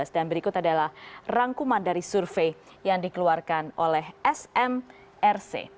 dan berikut adalah rangkuman dari survei yang dikeluarkan oleh smrc